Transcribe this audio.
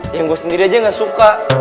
yang gue sendiri aja gak suka